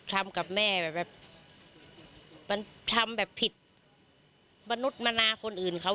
ทำกับแม่แบบมันทำแบบผิดมนุษย์มนาคนอื่นเขา